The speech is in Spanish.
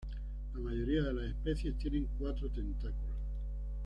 La mayoría de las especies tienen cuatro tentáculos.